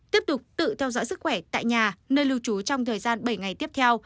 tiếp tục tự theo dõi sức khỏe tại nhà nơi lưu trú trong thời gian bảy ngày tiếp theo